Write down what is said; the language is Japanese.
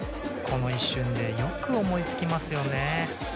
この一瞬でよく思いつきますよね。